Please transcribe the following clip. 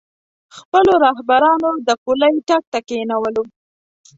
خپلو رهبرانو د پولۍ ټک ته کېنولو.